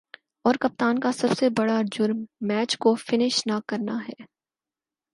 اور کپتان کا سب سے برا جرم" میچ کو فنش نہ کرنا ہے